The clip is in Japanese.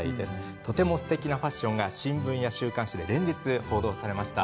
とてもすてきなファッションが新聞や週刊誌で連日報道されました。